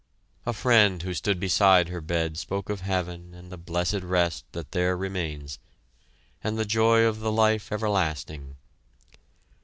A friend who stood beside her bed spoke of heaven and the blessed rest that there remains, and the joy of the life everlasting.